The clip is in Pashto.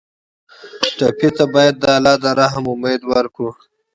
ټپي ته باید د الله له رحم نه امید ورکړو.